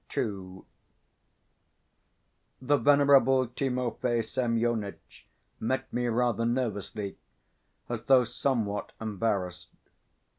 II The venerable Timofey Semyonitch met me rather nervously, as though somewhat embarrassed.